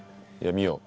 見よう。